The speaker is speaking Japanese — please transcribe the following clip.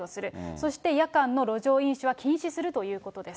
そして夜間の路上飲酒は禁止するということです。